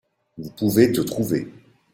Vous pouvez te trouver.